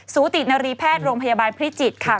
สูตินรีแพทย์โรงพยาบาลพิจิตรค่ะ